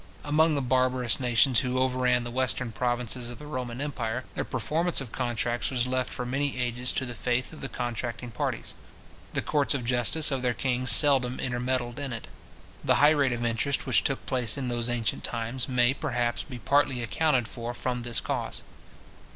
Among the barbarous nations who overran the western provinces of the Roman empire, the performance of contracts was left for many ages to the faith of the contracting parties. The courts of justice of their kings seldom intermeddled in it. The high rate of interest which took place in those ancient times, may, perhaps, be partly accounted for from this cause.